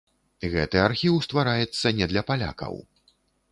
Гэты архіў ствараецца не для палякаў.